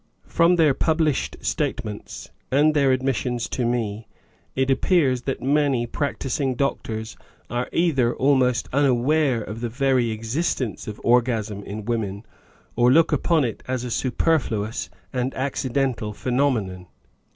From their published statements, and their admis sions to me, it appears that many practising doctors are either almost unaware of the very existence of orgasm in women, or look upon it as a superfluous and accidental phenomenon.